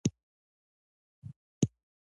د نورستان پخوانی نوم کافرستان و.